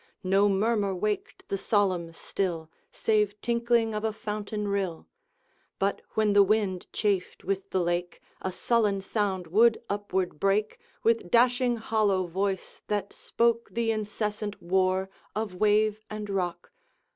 No murmur waked the solemn still, Save tinkling of a fountain rill; But when the wind chafed with the lake, A sullen sound would upward break, With dashing hollow voice, that spoke The incessant war of wave and rock.